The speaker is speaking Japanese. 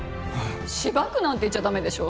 「しばく」なんて言っちゃ駄目でしょ。